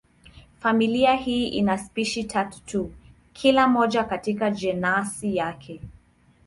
Familia hii ina spishi tatu tu, kila moja katika jenasi yake.